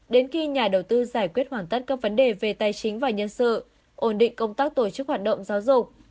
đến khi nhà đầu tư giải quyết hoàn tất các vấn đề về tài chính và nhân sự ổn định công tác tổ chức hoạt động giáo dục